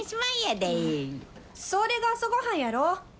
それが朝ごはんやろ。